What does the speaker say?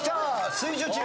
水１０チーム。